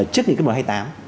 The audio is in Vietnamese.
trước những cái mùa hai mươi tám